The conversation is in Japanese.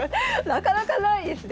なかなかないですね。